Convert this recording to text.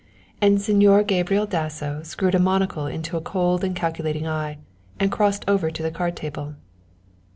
And Señor Gabriel Dasso screwed a monocle into a cold and calculating eye and crossed over to the card table.